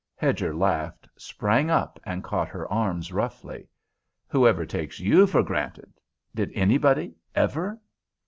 Hedger laughed, sprang up and caught her arms roughly. "Whoever takes you for granted Did anybody, ever?"